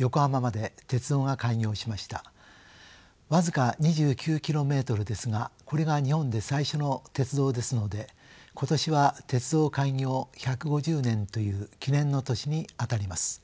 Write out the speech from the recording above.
僅か２９キロメートルですがこれが日本で最初の鉄道ですので今年は鉄道開業１５０年という記念の年にあたります。